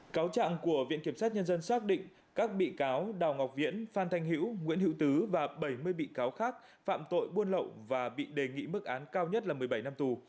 cáo trạng của viện kiểm sát nhân dân xác định các bị cáo đào ngọc viễn phan thanh hiễu nguyễn hữu tứ và bảy mươi bị cáo khác phạm tội buôn lậu và bị đề nghị mức án cao nhất là một mươi bảy năm tù